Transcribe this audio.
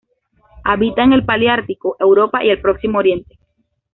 Habita en el paleártico: Europa y el Próximo Oriente.